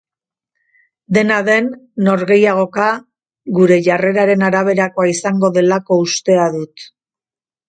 Dena den, norgehiagoka gure jarreraren araberakoa izango delako ustea dut.